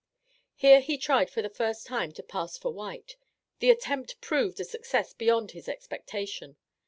Here he tried for the first time to pass for white; the attempt proved a success beyond his expectation.